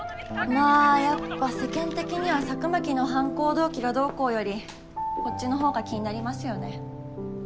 まやっぱ世間的には佐久巻の犯行動機がどうこうよりこっちのほうが気になりますよね。